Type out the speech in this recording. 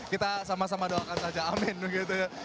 kita sama sama doakan saja amin gitu ya